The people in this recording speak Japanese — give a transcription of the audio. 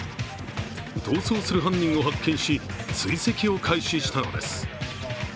逃走する犯人を発見し、追跡を開始したのです。